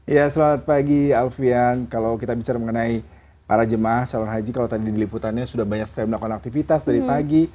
ya selamat pagi alfian kalau kita bicara mengenai para jemaah calon haji kalau tadi di liputannya sudah banyak sekali melakukan aktivitas dari pagi